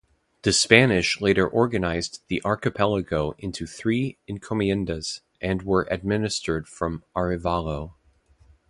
The Spanish later organized the archipelago into three "encomiendas" and were administered from Arevalo.